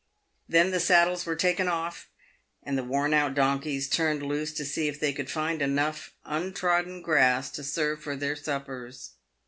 Then the saddles were taken off, and the worn out donkeys turned loose to see if they could find enough untrodden grass to serve for their suppers.